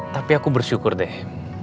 tapi aku bersyukur deh